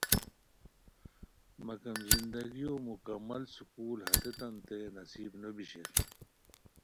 مگم زندگیو مکمل سکون ہتیتانتین نصیب نو بی شیر